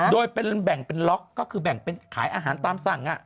โดยเป็นแบ่งเป็นล็อกก็คือแบ่งเป็นขายอาหารตามสั่ง